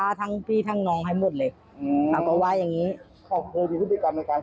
หลานหรือว่าเด็กลูกขาว